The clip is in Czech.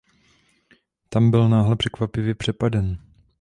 Tam byl náhle překvapivě přepaden.